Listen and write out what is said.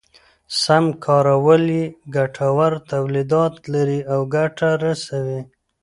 سم کارول يې ګټور توليدات لري او ګټه رسوي.